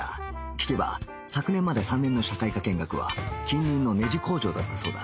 聞けば昨年まで３年の社会科見学は近隣のネジ工場だったそうだ